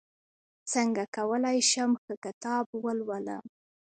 څنګه کولی شم ښه کتاب ولولم